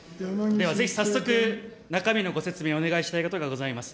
では早速、中身のご説明、お願いしたいことがございます。